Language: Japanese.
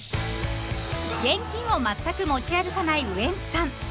［現金をまったく持ち歩かないウエンツさん］